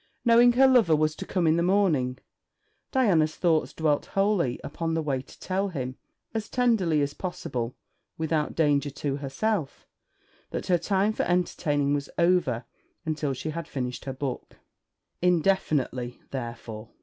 Knowing her lover was to come in the morning, Diana's thoughts dwelt wholly upon the way to tell him, as tenderly as possible without danger to herself, that her time for entertaining was over until she had finished her book; indefinitely, therefore.